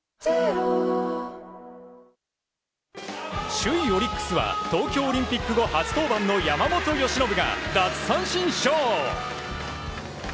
首位オリックスは東京オリンピック後初登板の山本由伸が奪三振ショー！